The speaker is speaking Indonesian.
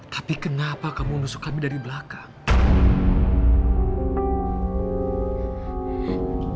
tapi kenapa kamu menusuk kami dari belakang